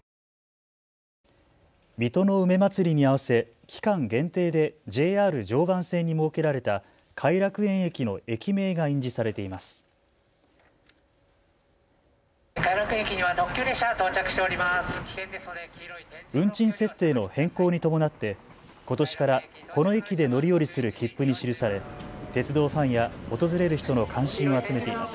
水戸の梅まつりに合わせ期間限定でＪＲ常磐線に設けられた偕楽園駅の駅名が印字されています。